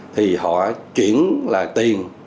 thì họ chuyển là tiền